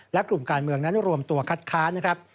และกลุ่มการเมืองนั้นรวมตัวคัดค้านนะครับ